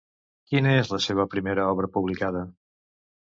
Quina és la seva primera obra publicada?